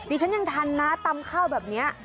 ฉันยังทันนะตำข้าวแบบนี้